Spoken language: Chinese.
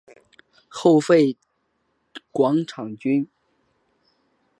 后废广长郡。